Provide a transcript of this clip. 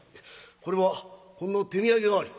これはほんの手土産代わり。